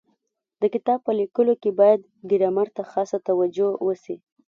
د کتاب په لیکلو کي باید ګرامر ته خاصه توجو وسي.